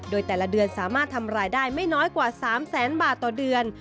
โดยแต่ละเดือนสามารถทำรายได้ไม่น้อยกว่า๓แสนบาทต่อเดือน